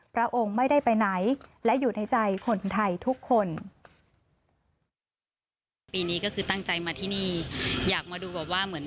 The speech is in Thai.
พระองค์ไม่ได้ไปไหนและอยู่ในใจคนไทยทุกคน